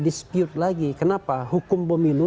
dispute lagi kenapa hukum pemilu